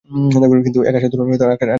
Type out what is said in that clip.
কিন্তু এক আকাশের তুলনায় আরেক আকাশ তো এরূপ নয়।